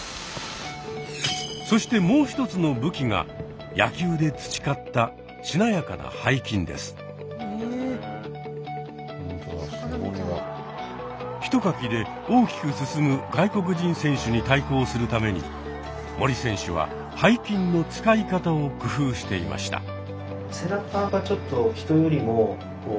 そしてもう一つの武器が野球で培ったひとかきで大きく進む外国人選手に対抗するために森選手は背筋の使い方を工夫していました。